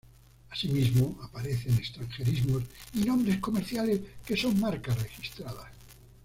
Asimismo aparecen extranjerismos y nombres comerciales que son marcas registradas.